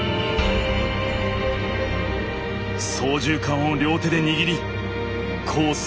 操縦かんを両手で握りコース